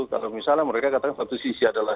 kalau misalnya mereka katakan satu sisi adalah